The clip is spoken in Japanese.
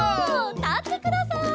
たってください！